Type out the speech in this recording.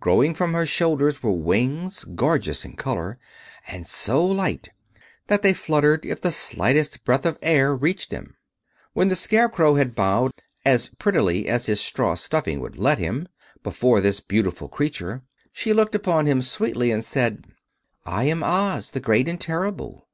Growing from her shoulders were wings, gorgeous in color and so light that they fluttered if the slightest breath of air reached them. When the Scarecrow had bowed, as prettily as his straw stuffing would let him, before this beautiful creature, she looked upon him sweetly, and said: "I am Oz, the Great and Terrible.